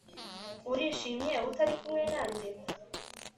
urishimye utari kumwe nanjye